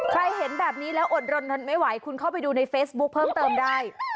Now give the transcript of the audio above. เห็นแบบนี้แล้วอดรนทนไม่ไหวคุณเข้าไปดูในเฟซบุ๊คเพิ่มเติมได้